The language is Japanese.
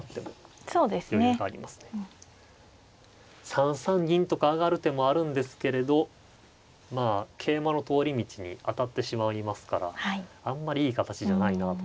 ３三銀とか上がる手もあるんですけれどまあ桂馬の通り道に当たってしまいますからあんまりいい形じゃないなとか。